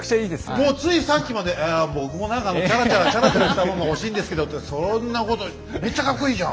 もうついさっきまでえ僕も何かチャラチャラチャラチャラしたもんが欲しいんですけどってそんなことめっちゃカッコいいじゃん。